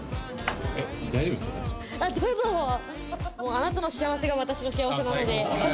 あなたの幸せが私の幸せなので。